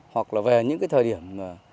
hoặc là về những cái thời điểm